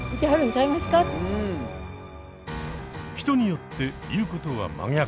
人によって言うことは真逆。